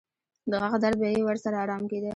د غاښ درد به یې ورسره ارام کېده.